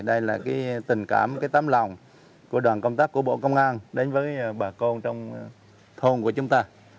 đây là cái tình cảm cái tấm lòng của đoàn công tác của bộ công an đến với bà con trong thôn của chúng ta